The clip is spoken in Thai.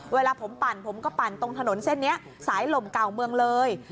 เวลาผมปั่นผมก็ปั่นตรงถนนเส้นนี้สายลมเก่าเมืองเลย